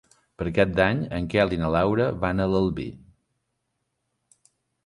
Per Cap d'Any en Quel i na Laura van a l'Albi.